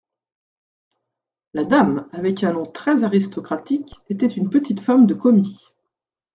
La dame, avec un nom très-aristocratique, était une petite femme de commis.